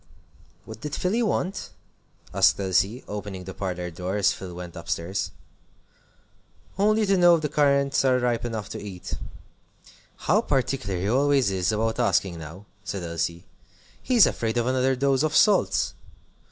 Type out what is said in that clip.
"What did Philly want?" asked Elsie, opening the parlor door as Phil went up stairs. "Only to know if the currants are ripe enough to eat." "How particular he always is about asking now!" said Elsie; "he's afraid of another dose of salts."